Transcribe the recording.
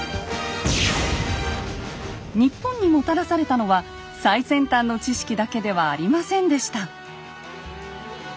日本にもたらされたのは最先端の知識だけではありませんでした。